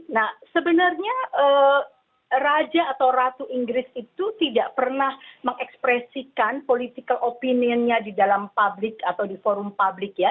nah sebenarnya raja atau ratu inggris itu tidak pernah mengekspresikan political opinionnya di dalam publik atau di forum publik ya